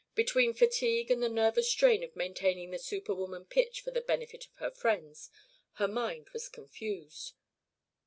Between fatigue and the nervous strain of maintaining the superwoman pitch for the benefit of her friends, her mind was confused.